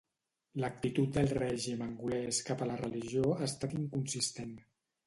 L'actitud del règim angolès cap a la religió ha estat inconsistent.